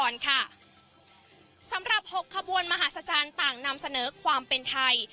และมันก็จะทำเสนอความเป็นไทย